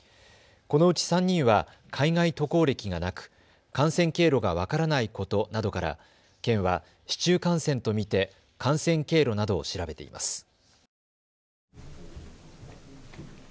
このうち３人は海外渡航歴がなく感染経路が分からないことなどから県は市中感染と見て感染経路などを調べています。